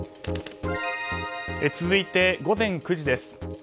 続いて、午前９時です。